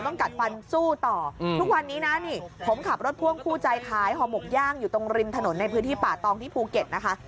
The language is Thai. กัดฟันสู้ต่อทุกวันนี้นะนี่ผมขับรถพ่วงคู่ใจขายห่อหมกย่างอยู่ตรงริมถนนในพื้นที่ป่าตองที่ภูเก็ตนะคะ